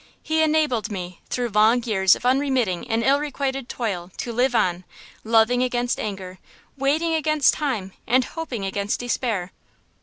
He enabled me, through long years of unremitting and ill requited toil, to live on, loving against anger, waiting against time, and hoping against despair!"